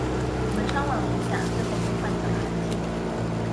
我们商量了一下最后就换成了韩青。